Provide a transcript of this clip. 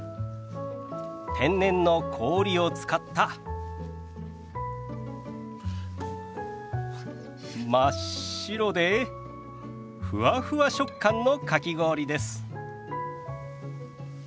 天然の氷を使った真っ白でふわふわ食感のかき氷です。